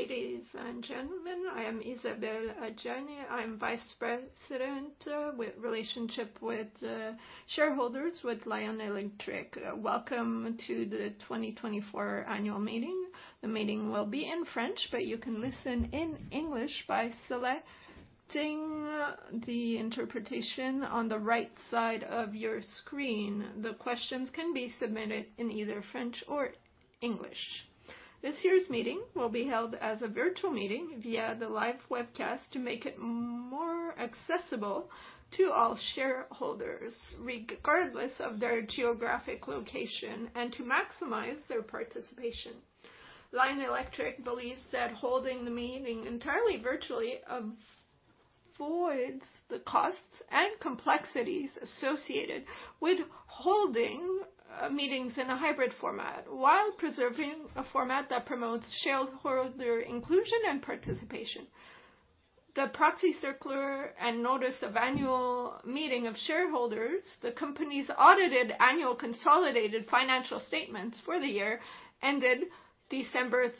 Ladies and gentlemen, I am Isabelle Adjahi. I'm Vice President with relationship with shareholders with Lion Electric. Welcome to the 2024 annual meeting. The meeting will be in French, but you can listen in English by selecting the interpretation on the right side of your screen. The questions can be submitted in either French or English. This year's meeting will be held as a virtual meeting via the live webcast to make it more accessible to all shareholders, regardless of their geographic location, and to maximize their participation. Lion Electric believes that holding the meeting entirely virtually avoids the costs and complexities associated with holding meetings in a hybrid format while preserving a format that promotes shareholder inclusion and participation. The Proxy Circular and Notice of Annual Meeting of Shareholders, the company's audited annual consolidated financial statements for the year, ended December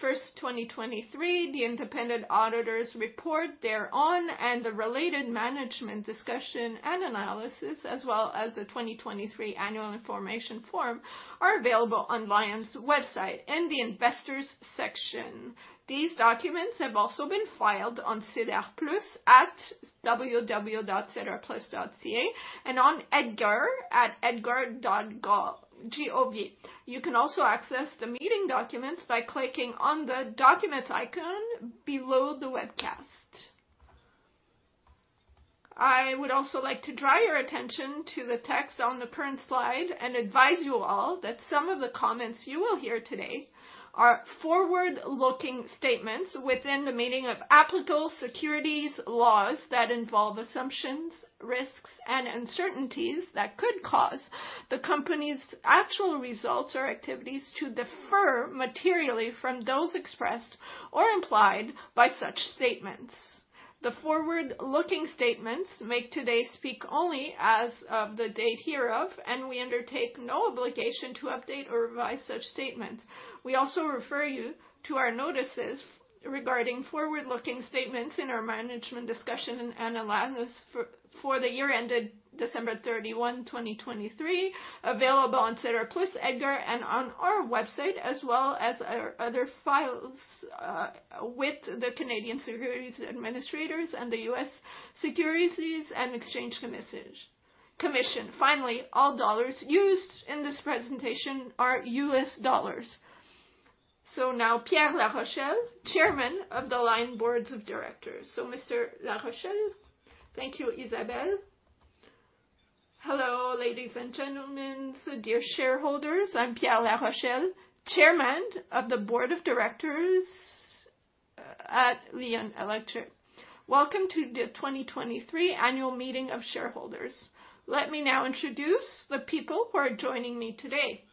31st, 2023. The Independent Auditor's Report thereon and the related Management's Discussion and Analysis, as well as the 2023 Annual Information Form, are available on Lion's website in the Investors section. These documents have also been filed on SEDAR+ at www.sedarplus.ca and on EDGAR at www.sec.gov. You can also access the meeting documents by clicking on the documents icon below the webcast. I would also like to draw your attention to the text on the current slide and advise you all that some of the comments you will hear today are forward-looking statements within the meaning of applicable securities laws that involve assumptions, risks, and uncertainties that could cause the company's actual results or activities to differ materially from those expressed or implied by such statements. The forward-looking statements made today speak only as of the date hereof, and we undertake no obligation to update or revise such statements. We also refer you to our notices regarding forward-looking statements in our management discussion and analysis for the year ended December 31st, 2023, available on SEDAR+ EDGAR and on our website, as well as other files with the Canadian Securities Administrators and the U.S. Securities and Exchange Commission. Finally, all dollars used in this presentation are U.S. dollars. Now Pierre Larochelle, Chairman of the Board of Directors. Mr. Larochelle, thank you, Isabelle. Hello, ladies and gentlemen, dear shareholders. I'm Pierre Larochelle, Chairman of the Board of Directors at Lion Electric. Welcome to the 2023 annual meeting of shareholders. Let me now introduce the people who are joining me today: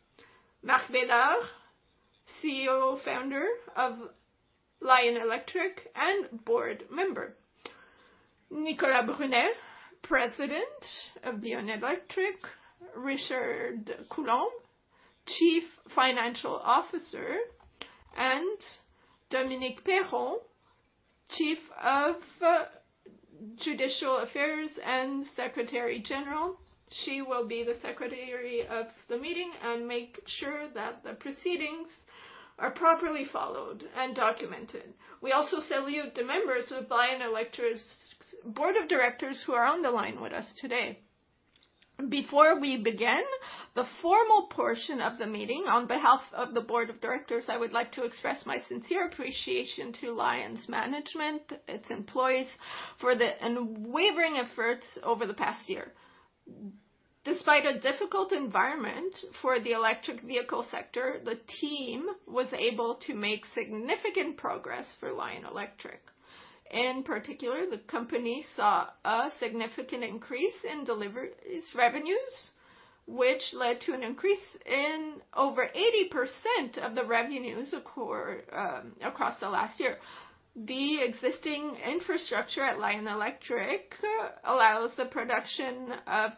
Marc Bédard, CEO/Founder of Lion Electric and Board Member; Nicolas Brunet, President of Lion Electric; Richard Coulombe, Chief Financial Officer; and Dominique Perron, Chief Legal Officer and Corporate Secretary. She will be the Secretary of the meeting and make sure that the proceedings are properly followed and documented. We also salute the members of Lion Electric's Board of Directors who are on the line with us today. Before we begin the formal portion of the meeting, on behalf of the Board of Directors, I would like to express my sincere appreciation to Lion's management, its employees, for the unwavering efforts over the past year. Despite a difficult environment for the electric vehicle sector, the team was able to make significant progress for Lion Electric. In particular, the company saw a significant increase in deliveries and revenues, which led to an increase in over 80% of the revenues across the last year. The existing infrastructure at Lion Electric allows the production of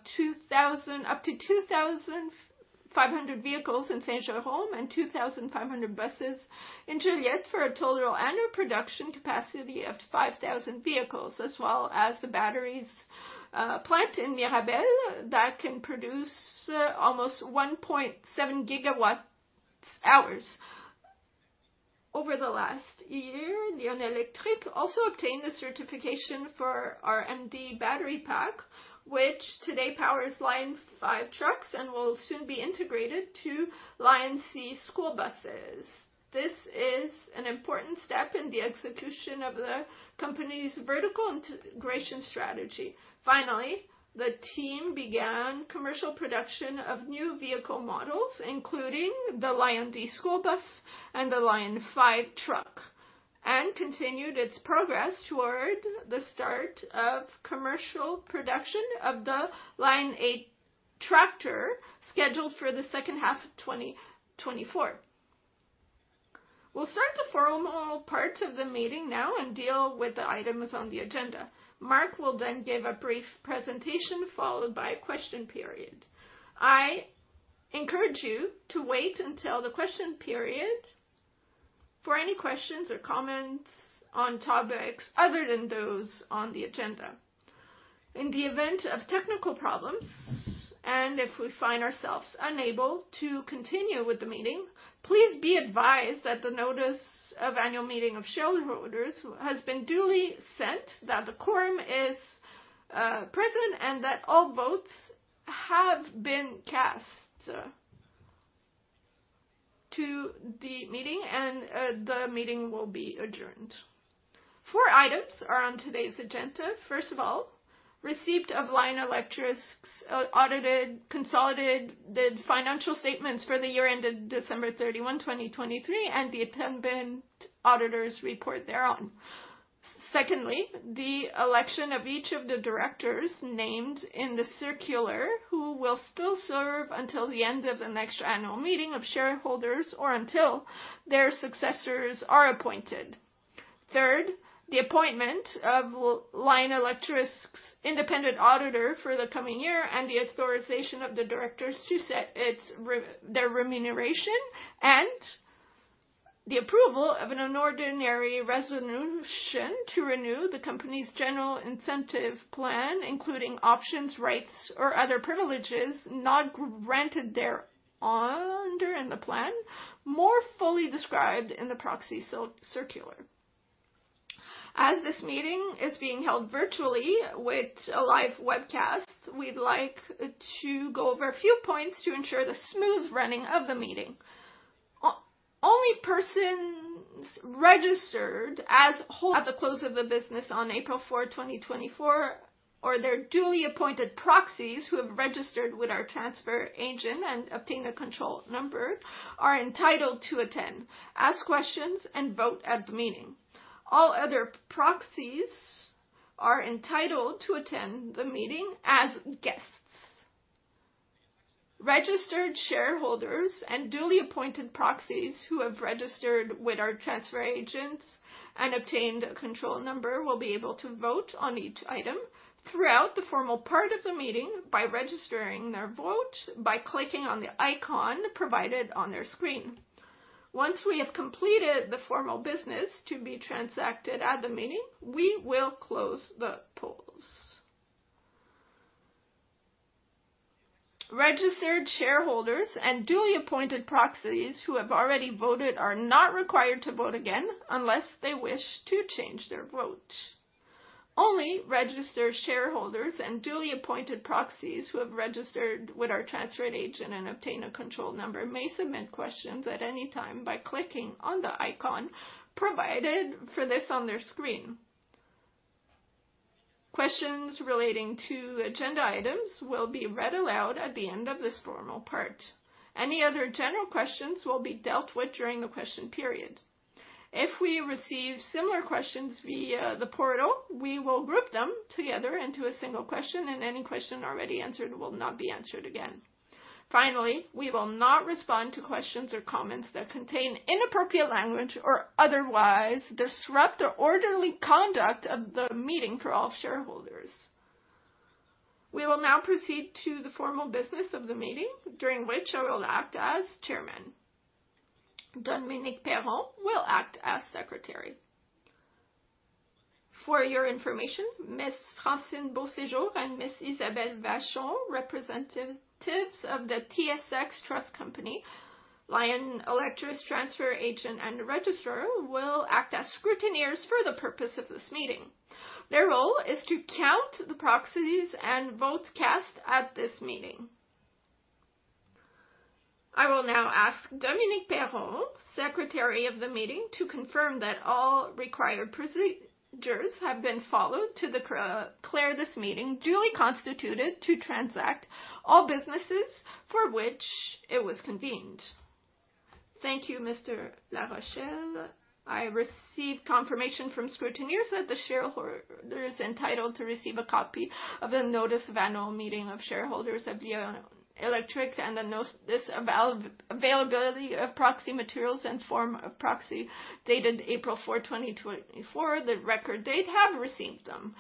up to 2,500 vehicles in Saint-Jérôme and 2,500 buses in Joliet for a total annual production capacity of 5,000 vehicles, as well as the battery plant in Mirabel that can produce almost 1.7 gigawatt-hours. Over the last year, Lion Electric also obtained the certification for our MD battery pack, which today powers Lion5 trucks and will soon be integrated to LionC school buses. This is an important step in the execution of the company's vertical integration strategy. Finally, the team began commercial production of new vehicle models, including the LionD school bus and the Lion5 truck, and continued its progress toward the start of commercial production of the Lion8 tractor scheduled for the second half of 2024. We'll start the formal part of the meeting now and deal with the items on the agenda. Marc will then give a brief presentation followed by a question period. I encourage you to wait until the question period for any questions or comments on topics other than those on the agenda. In the event of technical problems and if we find ourselves unable to continue with the meeting, please be advised that the Notice of Annual Meeting of Shareholders has been duly sent, that the quorum is present, and that all votes have been cast to the meeting, and the meeting will be adjourned. Four items are on today's agenda. First of all, receipt of Lion Electric's audited consolidated financial statements for the year ended December 31st, 2023, and the attendant auditor's report thereon. Secondly, the election of each of the directors named in the circular who will still serve until the end of the next annual meeting of shareholders or until their successors are appointed. Third, the appointment of Lion Electric's independent auditor for the coming year and the authorization of the directors to set their remuneration and the approval of an ordinary resolution to renew the company's general incentive plan, including options, rights, or other privileges not granted thereunder in the plan, more fully described in the Proxy Circular. As this meeting is being held virtually with a live webcast, we'd like to go over a few points to ensure the smooth running of the meeting. Only persons registered as at the close of business on April 4th, 2024, or their duly appointed proxies who have registered with our transfer agent and obtained a control number are entitled to attend, ask questions, and vote at the meeting. All other proxies are entitled to attend the meeting as guests. Registered shareholders and duly appointed proxies who have registered with our transfer agents and obtained a control number will be able to vote on each item throughout the formal part of the meeting by registering their vote by clicking on the icon provided on their screen. Once we have completed the formal business to be transacted at the meeting, we will close the polls. Registered shareholders and duly appointed proxies who have already voted are not required to vote again unless they wish to change their vote. Only registered shareholders and duly appointed proxies who have registered with our transfer agent and obtained a control number may submit questions at any time by clicking on the icon provided for this on their screen. Questions relating to agenda items will be read aloud at the end of this formal part. Any other general questions will be dealt with during the question period. If we receive similar questions via the portal, we will group them together into a single question, and any question already answered will not be answered again. Finally, we will not respond to questions or comments that contain inappropriate language or otherwise disrupt the orderly conduct of the meeting for all shareholders. We will now proceed to the formal business of the meeting, during which I will act as Chairman. Dominique Perron will act as Secretary. For your information, Ms. Francine Beausejour and Ms. Isabelle Vachon, representatives of the TSX Trust Company, Lion Electric's transfer agent and registrar, will act as scrutineers for the purpose of this meeting. Their role is to count the proxies and votes cast at this meeting. I will now ask Dominique Perron, Secretary of the meeting, to confirm that all required procedures have been followed to declare this meeting duly constituted to transact all businesses for which it was convened. Thank you, Mr. Larochelle. I received confirmation from scrutineers that the shareholders entitled to receive a copy of the Notice of Annual Meeting of Shareholders of Lion Electric and the availability of proxy materials and form of proxy dated April 4th, 2024, the record date have received them.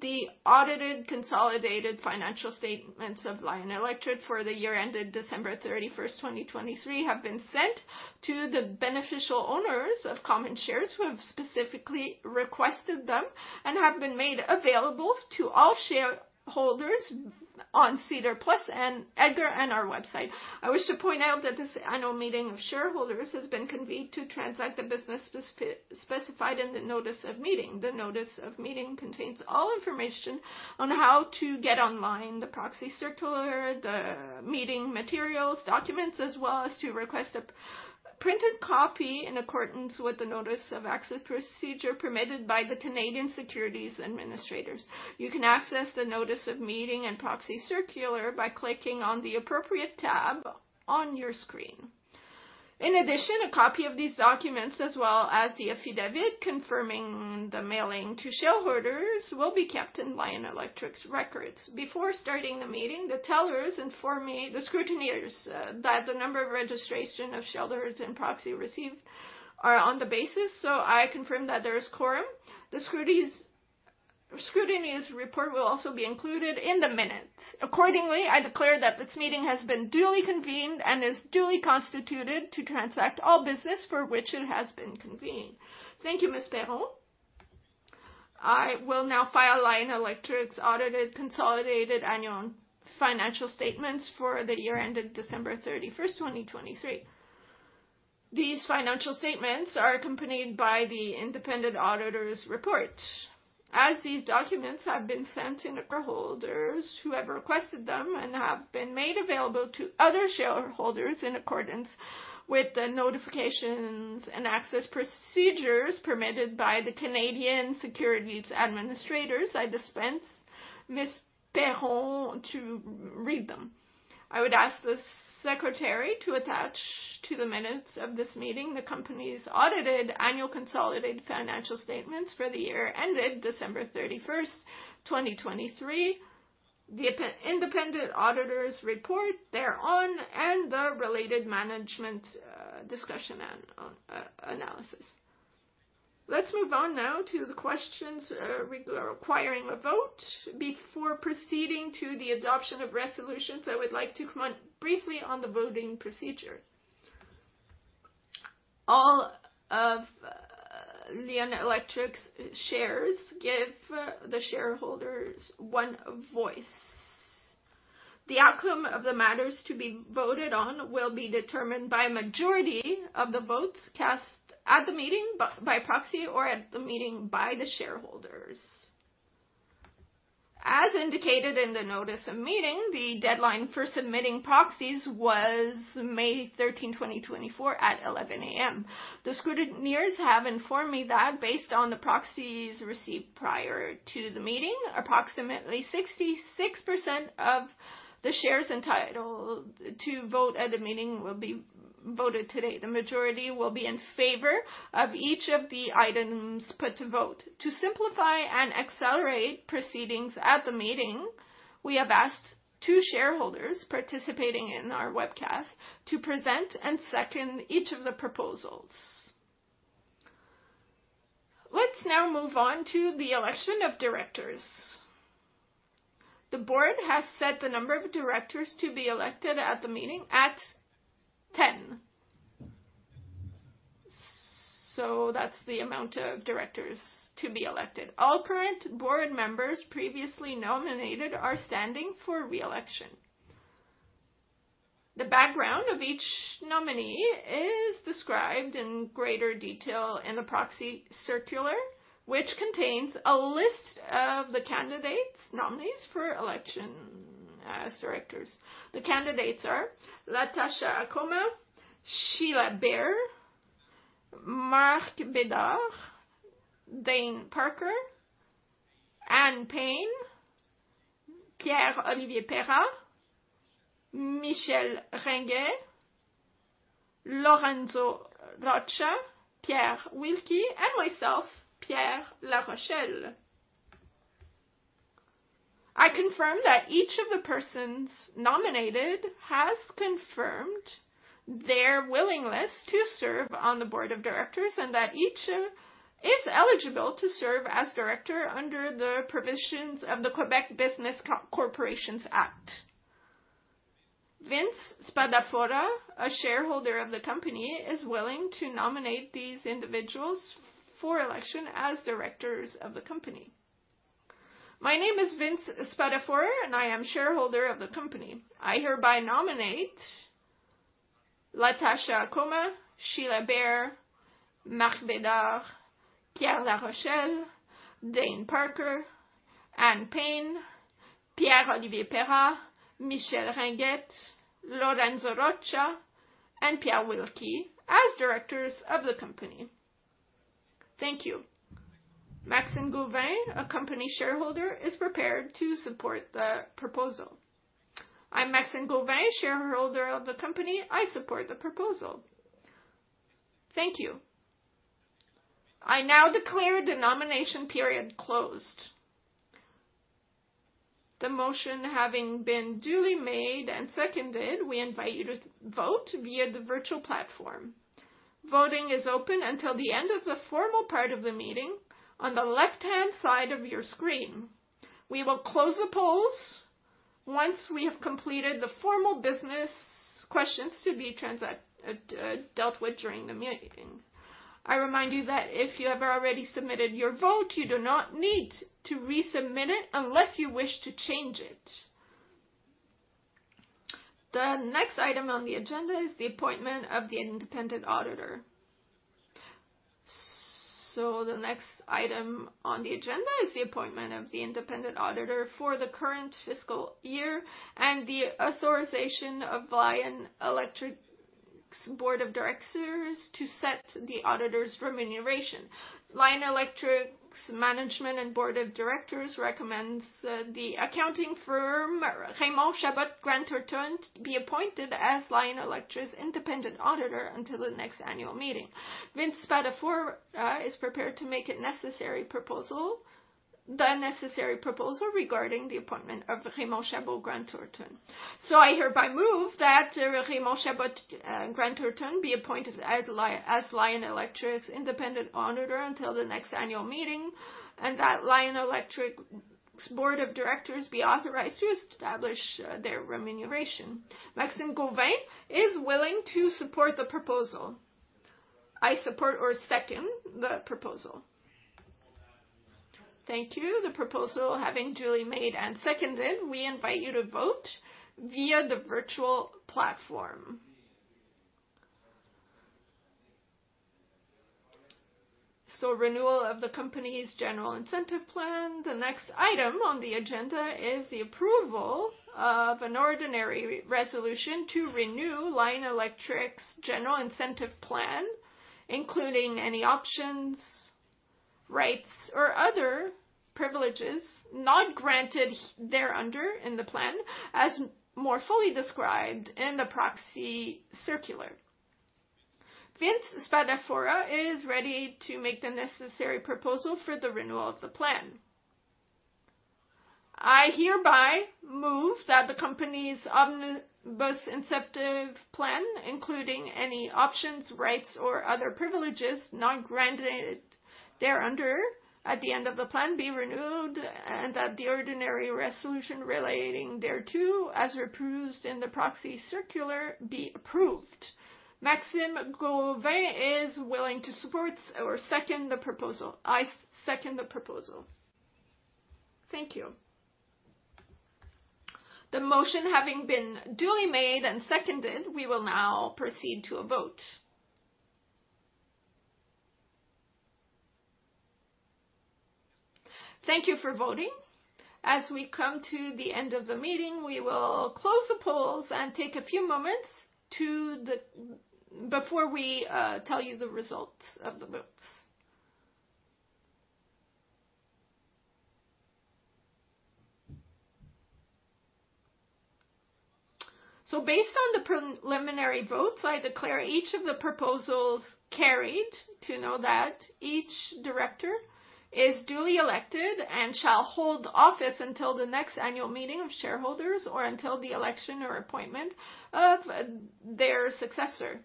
The audited consolidated financial statements of Lion Electric for the year ended December 31st, 2023, have been sent to the beneficial owners of common shares who have specifically requested them and have been made available to all shareholders on SEDAR+ and EDGAR and our website. I wish to point out that this annual meeting of shareholders has been convened to transact the business specified in the Notice of Meeting. The Notice of Meeting contains all information on how to get online the Proxy Circular, the meeting materials, documents, as well as to request a printed copy in accordance with the Notice of Access Procedure permitted by the Canadian Securities Administrators. You can access the Notice of Meeting and Proxy Circular by clicking on the appropriate tab on your screen. In addition, a copy of these documents, as well as the affidavit confirming the mailing to shareholders, will be kept in Lion Electric's records. Before starting the meeting, the tellers inform the scrutineers that the number of registrations of shareholders and proxies received are on the basis, so I confirm that there is quorum. The scrutineer's report will also be included in the minutes. Accordingly, I declare that this meeting has been duly convened and is duly constituted to transact all business for which it has been convened. Thank you, Ms. Perron. I will now file Lion Electric's audited consolidated annual financial statements for the year ended December 31st, 2023. These financial statements are accompanied by the independent auditor's report. As these documents have been sent to registered holders who have requested them and have been made available to other shareholders in accordance with the notifications and access procedures permitted by the Canadian Securities Administrators, I dispense Ms. Perron to read them. I would ask the Secretary to attach to the minutes of this meeting the company's audited annual consolidated financial statements for the year ended December 31st, 2023, the independent auditor's report thereon, and the related management discussion and analysis. Let's move on now to the questions requiring a vote. Before proceeding to the adoption of resolutions, I would like to comment briefly on the voting procedure. All of Lion Electric's shares give the shareholders one voice. The outcome of the matters to be voted on will be determined by a majority of the votes cast at the meeting by proxy or at the meeting by the shareholders. As indicated in the Notice of Meeting, the deadline for submitting proxies was May 13th, 2024, at 11:00 A.M. The scrutineers have informed me that based on the proxies received prior to the meeting, approximately 66% of the shares entitled to vote at the meeting will be voted today. The majority will be in favor of each of the items put to vote. To simplify and accelerate proceedings at the meeting, we have asked two shareholders participating in our webcast to present and second each of the proposals. Let's now move on to the election of directors. The board has set the number of directors to be elected at the meeting at 10. So that's the amount of directors to be elected. All current board members previously nominated are standing for reelection. The background of each nominee is described in greater detail in the Proxy Circular, which contains a list of the candidates, nominees for election as directors. The candidates are Latasha Akoma, Sheila Bair, Marc Bédard, Dane Parker, Ann Payne, Pierre-Olivier Perras, Michel Ringuet, Lorenzo Roccia, Pierre Wilkie, and myself, Pierre Larochelle. I confirm that each of the persons nominated has confirmed their willingness to serve on the board of directors and that each is eligible to serve as director under the provisions of the Quebec Business Corporations Act. Vince Spadafora, a shareholder of the company, is willing to nominate these individuals for election as directors of the company. My name is Vince Spadafora, and I am shareholder of the company. I hereby nominate Latasha Akoma, Sheila Bair, Marc Bédard, Pierre Larochelle, Dane Parker, Ann Payne, Pierre-Olivier Perras, Michel Ringuet, Lorenzo Roccia, and Pierre Wilkie as directors of the company. Thank you. Maxime Gauvain, a company shareholder, is prepared to support the proposal. I'm Maxime Gauvain, shareholder of the company. I support the proposal. Thank you. I now declare the nomination period closed. The motion having been duly made and seconded, we invite you to vote via the virtual platform. Voting is open until the end of the formal part of the meeting on the left-hand side of your screen. We will close the polls once we have completed the formal business questions to be dealt with during the meeting. I remind you that if you have already submitted your vote, you do not need to resubmit it unless you wish to change it. The next item on the agenda is the appointment of the independent auditor. So the next item on the agenda is the appointment of the independent auditor for the current fiscal year and the authorization of Lion Electric's board of directors to set the auditor's remuneration. Lion Electric's management and board of directors recommends the accounting firm Raymond Chabot Grant Thornton be appointed as Lion Electric's independent auditor until the next annual meeting. Vince Spadafora is prepared to make the necessary proposal regarding the appointment of Raymond Chabot Grant Thornton. So I hereby move that Raymond Chabot Grant Thornton be appointed as Lion Electric's independent auditor until the next annual meeting and that Lion Electric's board of directors be authorized to establish their remuneration. Maxime Gauvain is willing to support the proposal. I support or second the proposal. Thank you. The proposal having duly made and seconded, we invite you to vote via the virtual platform. So renewal of the company's general incentive plan. The next item on the agenda is the approval of an ordinary resolution to renew Lion Electric's general incentive plan, including any options, rights, or other privileges not granted thereunder in the plan as more fully described in the Proxy Circular. Vince Spadafora is ready to make the necessary proposal for the renewal of the plan. I hereby move that the company's Omnibus Incentive Plan, including any options, rights, or other privileges not granted thereunder at the end of the plan, be renewed and that the ordinary resolution relating thereto, as proposed in the Proxy Circular, be approved. Maxime Gauvain is willing to support or second the proposal. I second the proposal. Thank you. The motion having been duly made and seconded, we will now proceed to a vote. Thank you for voting. As we come to the end of the meeting, we will close the polls and take a few moments before we tell you the results of the votes. So based on the preliminary votes, I declare each of the proposals carried, to know that each director is duly elected and shall hold office until the next annual meeting of shareholders or until the election or appointment of their successor,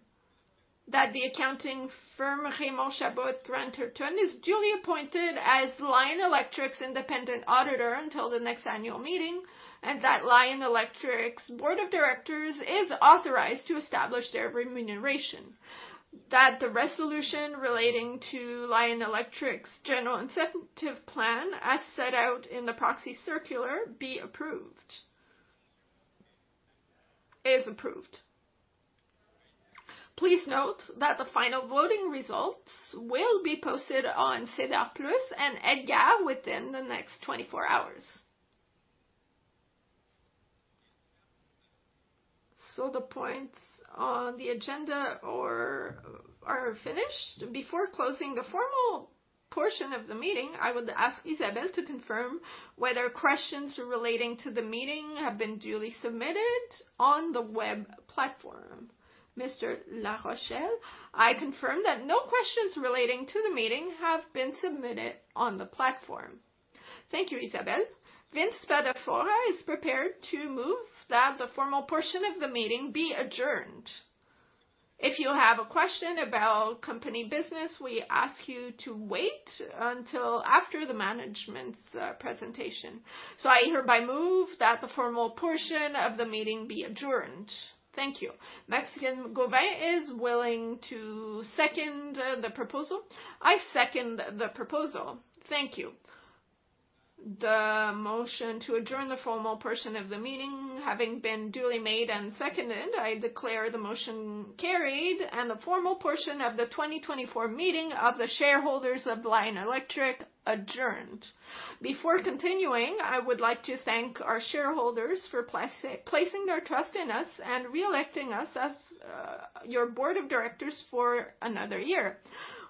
that the accounting firm Raymond Chabot Grant Thornton is duly appointed as Lion Electric's independent auditor until the next annual meeting, and that Lion Electric's board of directors is authorized to establish their remuneration, that the resolution relating to Lion Electric's general incentive plan, as set out in the Proxy Circular, be approved. Is approved. Please note that the final voting results will be posted on SEDAR+ and EDGAR within the next 24 hours. So the points on the agenda are finished. Before closing the formal portion of the meeting, I would ask Isabelle to confirm whether questions relating to the meeting have been duly submitted on the web platform. Mr. Larochelle, I confirm that no questions relating to the meeting have been submitted on the platform. Thank you, Isabelle. Vince Spadafora is prepared to move that the formal portion of the meeting be adjourned. If you have a question about company business, we ask you to wait until after the management's presentation. So I hereby move that the formal portion of the meeting be adjourned. Thank you. Maxime Gauvain is willing to second the proposal. I second the proposal. Thank you. The motion to adjourn the formal portion of the meeting having been duly made and seconded, I declare the motion carried and the formal portion of the 2024 meeting of the shareholders of Lion Electric adjourned. Before continuing, I would like to thank our shareholders for placing their trust in us and reelecting us as your board of directors for another year.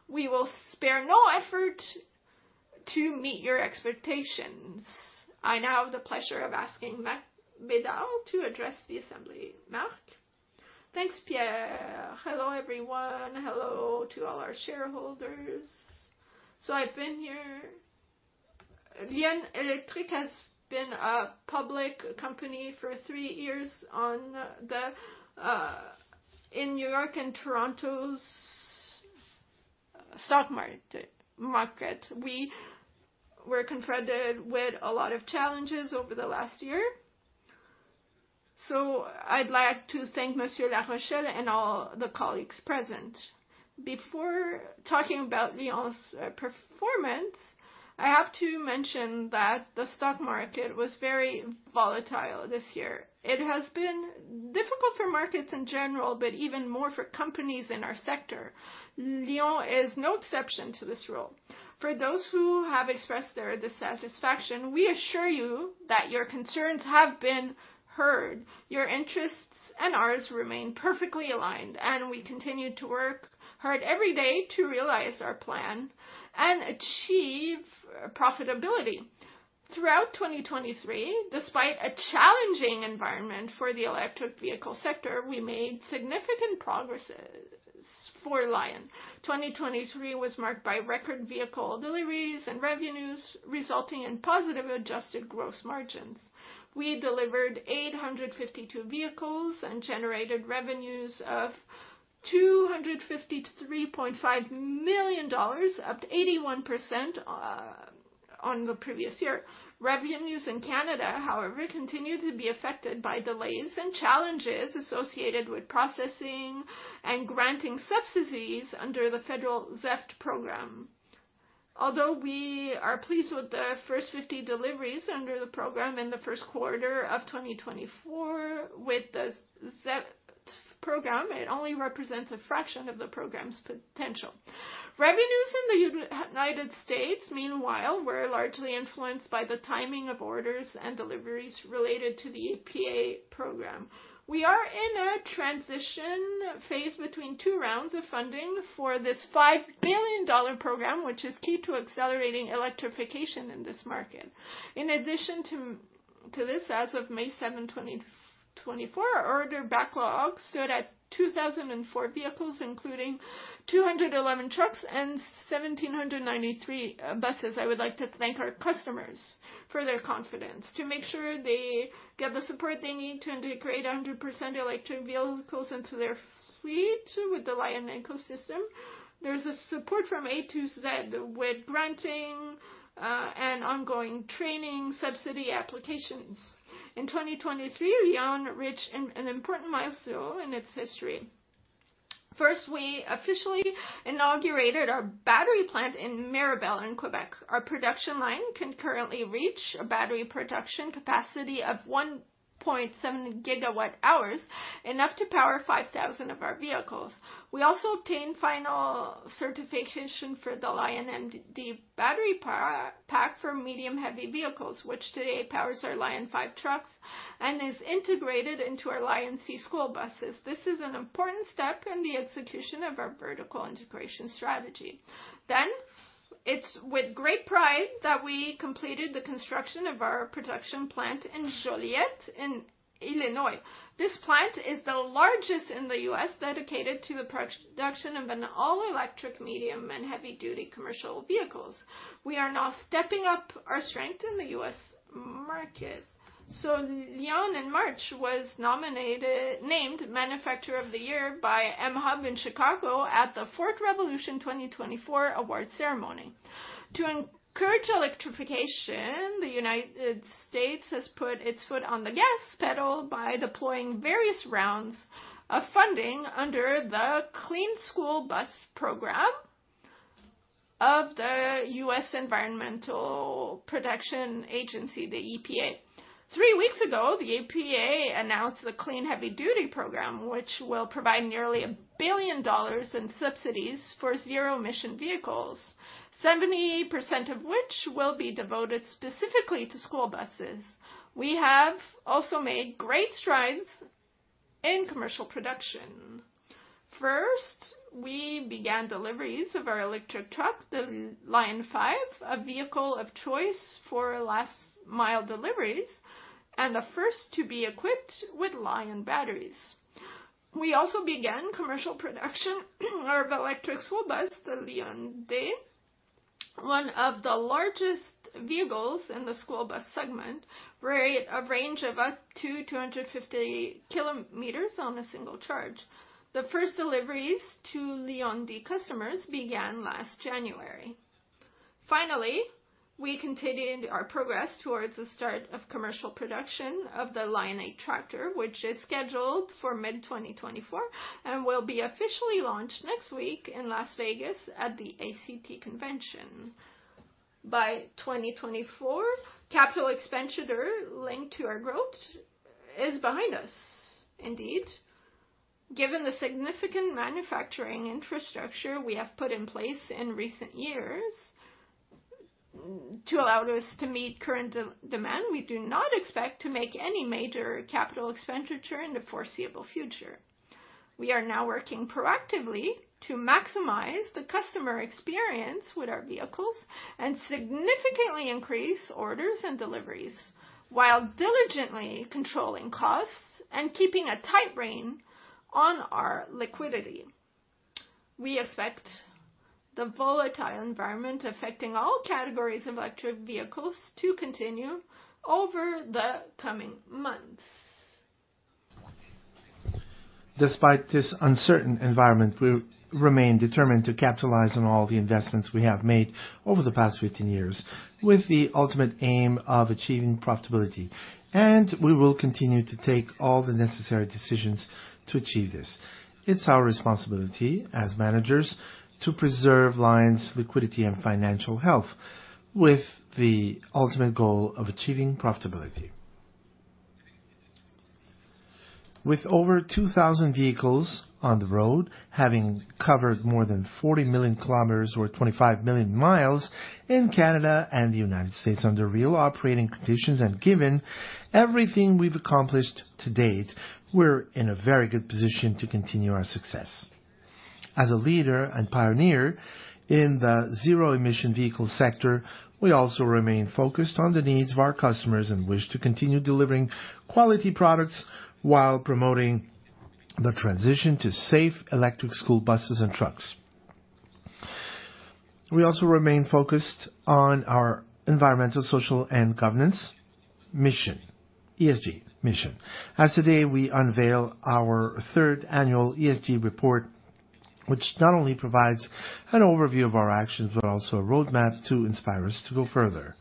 We will spare no effort to meet your expectations. I now have the pleasure of asking Marc Bédard to address the assembly. Marc? Thanks, Pierre. Hello, everyone. Hello to all our shareholders. So I've been here. Lion Electric has been a public company for three years in New York and Toronto's stock market. We were confronted with a lot of challenges over the last year. So I'd like to thank Monsieur Larochelle and all the colleagues present. Before talking about Lion's performance, I have to mention that the stock market was very volatile this year. It has been difficult for markets in general, but even more for companies in our sector. Lion is no exception to this role. For those who have expressed their dissatisfaction, we assure you that your concerns have been heard. Your interests and ours remain perfectly aligned, and we continue to work hard every day to realize our plan and achieve profitability. Throughout 2023, despite a challenging environment for the electric vehicle sector, we made significant progress for Lion. 2023 was marked by record vehicle deliveries and revenues resulting in positive adjusted gross margins. We delivered 852 vehicles and generated revenues of $253.5 million, up 81% on the previous year. Revenues in Canada, however, continue to be affected by delays and challenges associated with processing and granting subsidies under the federal ZETF program. Although we are pleased with the first 50 deliveries under the program in the first quarter of 2024, with the ZETF program, it only represents a fraction of the program's potential. Revenues in the United States, meanwhile, were largely influenced by the timing of orders and deliveries related to the EPA program. We are in a transition phase between two rounds of funding for this $5 billion program, which is key to accelerating electrification in this market. In addition to this, as of May 7, 2024, our order backlog stood at 2,004 vehicles, including 211 trucks and 1,793 buses. I would like to thank our customers for their confidence. To make sure they get the support they need to integrate 100% electric vehicles into their fleet with the Lion ecosystem, there's support from A to Z with granting and ongoing training subsidy applications. In 2023, Lion reached an important milestone in its history. First, we officially inaugurated our battery plant in Mirabel in Quebec. Our production line can currently reach a battery production capacity of 1.7 gigawatt-hours, enough to power 5,000 of our vehicles. We also obtained final certification for the Lion MD battery pack for medium-heavy vehicles, which today powers our Lion5 trucks and is integrated into our LionC school buses. This is an important step in the execution of our vertical integration strategy. It's with great pride that we completed the construction of our production plant in Joliet in Illinois. This plant is the largest in the U.S. dedicated to the production of an all-electric medium and heavy-duty commercial vehicles. We are now stepping up our strength in the U.S. market. Lion in March was named Manufacturer of the Year by mHUB in Chicago at the Fourth Revolution 2024 Awards ceremony. To encourage electrification, the United States has put its foot on the gas pedal by deploying various rounds of funding under the Clean School Bus Program of the U.S. Environmental Protection Agency, the EPA. Three weeks ago, the EPA announced the Clean Heavy-Duty Program, which will provide nearly $1 billion in subsidies for zero-emission vehicles, 70% of which will be devoted specifically to school buses. We have also made great strides in commercial production. First, we began deliveries of our electric truck, the Lion5, a vehicle of choice for last-mile deliveries and the first to be equipped with Lion batteries. We also began commercial production of electric school bus, the LionD, one of the largest vehicles in the school bus segment, with a range of up to 250 km on a single charge. The first deliveries to LionD customers began last January. Finally, we continued our progress towards the start of commercial production of the Lion8 tractor, which is scheduled for mid-2024 and will be officially launched next week in Las Vegas at the ACT Expo. By 2024, capital expenditure linked to our growth is behind us, indeed. Given the significant manufacturing infrastructure we have put in place in recent years to allow us to meet current demand, we do not expect to make any major capital expenditure in the foreseeable future. We are now working proactively to maximize the customer experience with our vehicles and significantly increase orders and deliveries while diligently controlling costs and keeping a tight rein on our liquidity. We expect the volatile environment affecting all categories of electric vehicles to continue over the coming months. Despite this uncertain environment, we remain determined to capitalize on all the investments we have made over the past 15 years with the ultimate aim of achieving profitability. We will continue to take all the necessary decisions to achieve this. It's our responsibility as managers to preserve Lion's liquidity and financial health with the ultimate goal of achieving profitability. With over 2,000 vehicles on the road, having covered more than 40 million kilometers or 25 million miles in Canada and the United States under real operating conditions, and given everything we've accomplished to date, we're in a very good position to continue our success. As a leader and pioneer in the zero-emission vehicle sector, we also remain focused on the needs of our customers and wish to continue delivering quality products while promoting the transition to safe electric school buses and trucks. We also remain focused on our environmental, social, and governance mission, ESG mission. As of today, we unveil our third annual ESG report, which not only provides an overview of our actions but also a roadmap to inspire us to go further.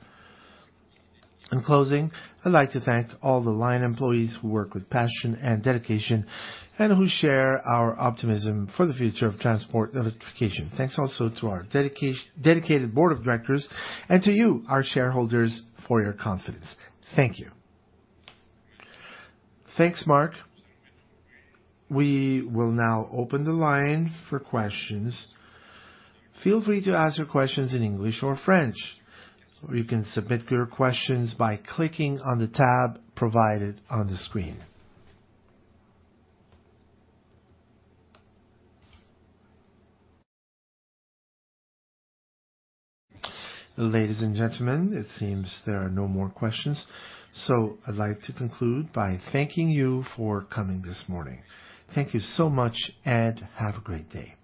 In closing, I'd like to thank all the Lion employees who work with passion and dedication and who share our optimism for the future of transport electrification. Thanks also to our dedicated board of directors and to you, our shareholders, for your confidence. Thank you. Thanks, Marc. We will now open the line for questions. Feel free to ask your questions in English or French. You can submit your questions by clicking on the tab provided on the screen. Ladies and gentlemen, it seems there are no more questions. So I'd like to conclude by thanking you for coming this morning. Thank you so much, and have a great day.